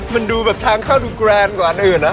มันดูแบบทางเข้าดูแกรนกว่าอื่นนะ